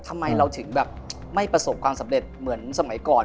ทำไมเราถึงแบบไม่ประสบความสำเร็จเหมือนสมัยก่อน